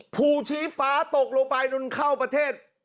ภูชีฟ้าตกลงไปนู่นเข้าประเทศ